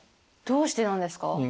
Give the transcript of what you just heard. どうしてなんですか？